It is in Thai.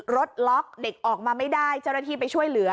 ล็อกเด็กออกมาไม่ได้เจ้าหน้าที่ไปช่วยเหลือ